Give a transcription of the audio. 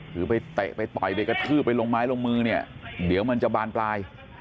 คือไปเตะไปต่อยไปกระทืบไปลงไม้ลงมือเนี่ยเดี๋ยวมันจะบานปลาย